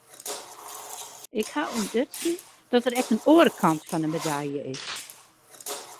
Ik haw ûntdutsen dat der ek in oare kant fan de medalje is.